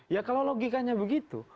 ya kalau logikanya begitu